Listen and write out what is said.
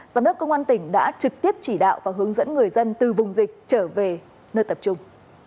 giám đốc công an tỉnh đã trực tiếp chỉ đạo và hướng dẫn người dân từ vùng dịch trở về nơi tập trung